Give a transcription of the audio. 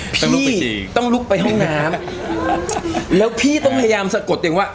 พี่ต้องลุกไปห้องน้ำแล้วพี่ต้องพยายามสะกดอย่างว่า